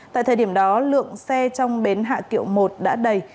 tại thời điểm đó lượng xe trong bến hạ kiệu một đã đầy